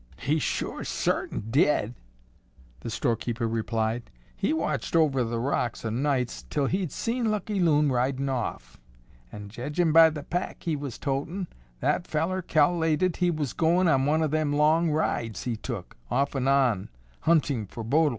"He sure sartin did," the storekeeper replied. "He watched over the rocks o' nights till he'd seen Lucky Loon ridin' off, and, jedging by the pack he was totin', that fellar cal'lated he was goin' on one of them long rides he took, off'n' on, hunting for Bodil.